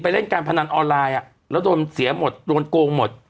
เล่นการพนันออนไลน์แล้วโดนเสียหมดโดนโกงหมด